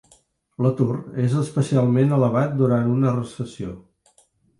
L'atur és especialment elevat durant una recessió.